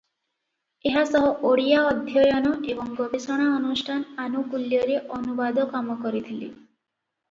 ଏହା ସହ ଓଡ଼ିଆ ଅଧ୍ୟୟନ ଏବଂ ଗବେଷଣା ଅନୁଷ୍ଠାନ ଆନୁକୁଲ୍ୟରେ ଅନୁବାଦ କାମ କରିଥିଲେ ।